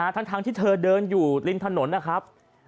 ทั้งที่เธอเดินอยู่ริมถนนนะครับ